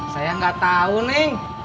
saya enggak tahu neng